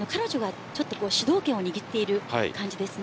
彼女がちょっと主導権を握っている感じです。